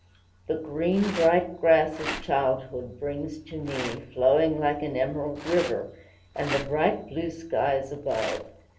The green, bright grass of childhood bring to me, Flowing like an emerald river, And the bright blue skies above!